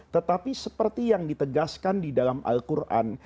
tetapi seperti yang ditegaskan di dalam al quran